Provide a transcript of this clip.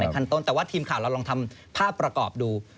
แต่ว่าทีมข่าวเราลองทำภาพประกอบดู